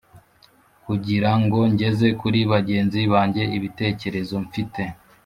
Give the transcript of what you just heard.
kugira ngo ngeze kuri bagenzi banjye ibitekerezo mfite